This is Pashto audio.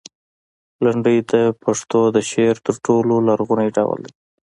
لنډۍ د پښتو د شعر تر ټولو لرغونی ډول دی.